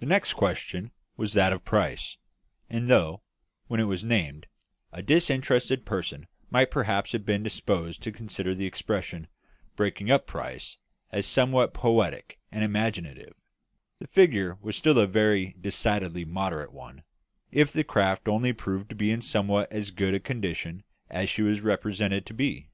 The next question was that of price; and though, when it was named, a disinterested person might perhaps have been disposed to consider the expression "breaking up price" as somewhat poetic and imaginative, the figure was still a very decidedly moderate one, if the craft only proved to be in somewhat as good condition as she was represented to be.